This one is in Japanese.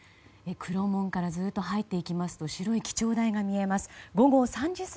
黒門からずっと入っていきますと白い記帳台が見えます。